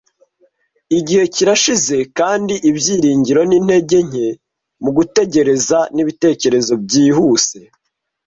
Igihe kirashize kandi ibyiringiro ni intege nke mugutegereza, nibitekerezo byihuse